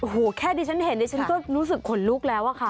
โฮแค่ดีฉันเห็นด้วยฉันก็รู้สึกขนลุกแล้วอ่ะค่ะ